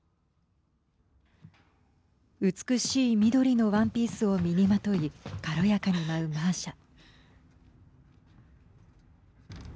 美しい緑のワンピースを身にまとい軽やかに舞うマーシャ。